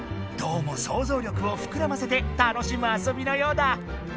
どうも想像力をふくらませて楽しむ遊びのようだ。